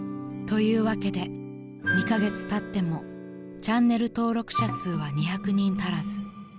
［というわけで２カ月たってもチャンネル登録者数は２００人足らず］